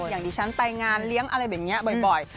อย่างที่ฉันไปงานเลี้ยงอะไรแบบนี้บ่อย